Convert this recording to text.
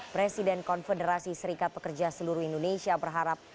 presiden konfederasi serikat pekerja seluruh indonesia berharap